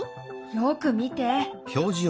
よく見て。